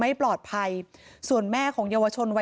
เหตุการณ์เกิดขึ้นแถวคลองแปดลำลูกกา